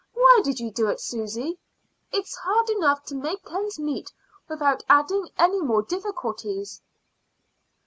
Why did you do it, Susy? It's hard enough to make ends meet without adding any more difficulties."